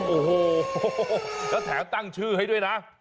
โอ้โหแล้วแถมตั้งชื่อให้ด้วยนะ